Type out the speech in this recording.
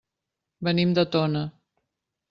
Venim de Tona.